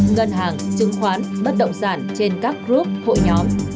ngân hàng chứng khoán bất động sản trên các group hội nhóm